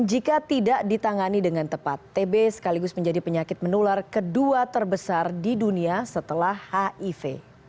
jika tidak ditangani dengan tepat tb sekaligus menjadi penyakit menular kedua terbesar di dunia setelah hiv